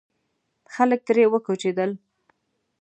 خلک ترې وکوچېدل.